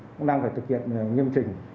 cũng đang phải thực hiện nghiêm trình